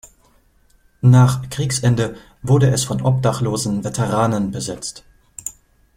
Nach Kriegsende wurde es von obdachlosen Veteranen besetzt.